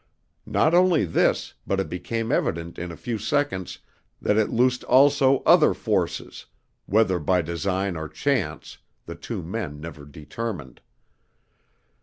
Not only this, but it became evident in a few seconds that it loosed also other forces whether by design or chance, the two men never determined.